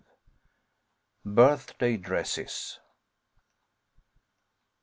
BIRTHDAY DRESSES.